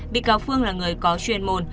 bị cáo phương là người có chuyên môn